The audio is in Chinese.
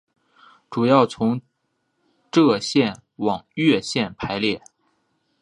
主要从浙界往粤界排列。